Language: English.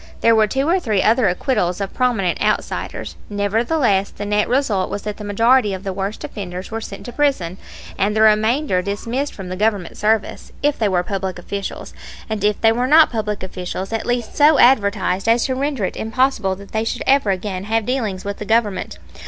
There were two or three other acquittals, of prominent outsiders. Nevertheless the net result was that the majority of the worst offenders were sent to prison, and the remainder dismissed from the Government service, if they were public officials, and if they were not public officials at least so advertised as to render it impossible that they should ever again have dealings with the Government.